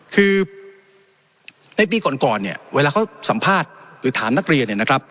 คือในปีก่อนเวลาค้าสัมภาษณ์หรือถามนักเรียน